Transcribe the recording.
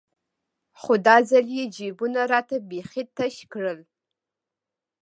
خو دا ځل يې جيبونه راته بيخي تش كړل.